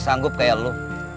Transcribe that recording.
sanggup kayak elu